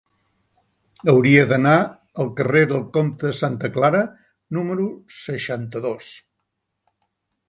Hauria d'anar al carrer del Comte de Santa Clara número seixanta-dos.